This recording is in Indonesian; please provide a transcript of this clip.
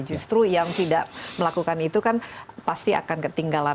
justru yang tidak melakukan itu kan pasti akan ketinggalan